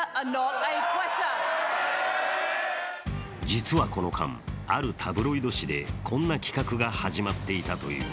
実はこの間、あるタブロイド紙でこんな企画が始まっていたという。